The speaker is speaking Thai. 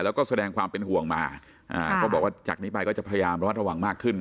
แล้วก็แสดงความเป็นห่วงมาก็บอกว่าจากนี้ไปก็จะพยายามระวัดระวังมากขึ้น